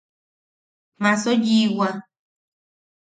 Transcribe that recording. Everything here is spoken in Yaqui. Maaso yiʼiwa.